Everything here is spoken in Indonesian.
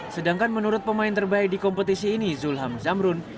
sedangkan menurut pemain terbaik di kompetisi ini zulham zamrun